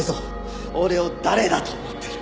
俺を誰だと思ってる？